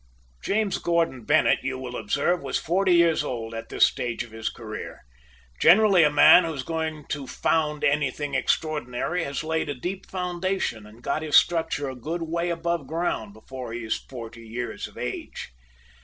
James Gordon Bennett, you will observe, was forty years old at this stage of his career. Generally a man who is going to found anything extraordinary has laid a deep foundation, and got his structure a good way above ground before he is forty years of age.